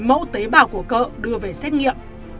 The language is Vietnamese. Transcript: mẫu tế bào của cỡ đưa về xét nghiệm